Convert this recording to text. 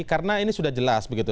karena ini sudah jelas begitu